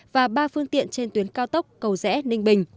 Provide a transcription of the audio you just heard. và ba phương tiện trên tuyến cao tốc cầu rẽ ninh bình